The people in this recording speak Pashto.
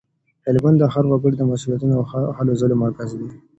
هلمند د هر وګړي د مسولیتونو او هلو ځلو مرکز دی.